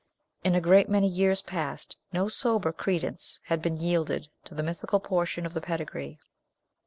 In a great many years past, no sober credence had been yielded to the mythical portion of the pedigree.